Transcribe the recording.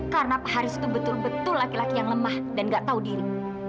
karena pak haris itu betul betul laki laki yang lemah dan enggak tahu diri